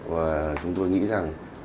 và chúng tôi nghĩ rằng